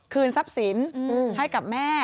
ทรัพย์สินให้กับแม่